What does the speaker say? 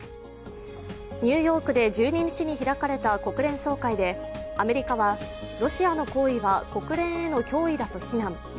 ニューヨークで１２日に開かれた国連総会でアメリカは、ロシアの行為は国連への脅威だと非難。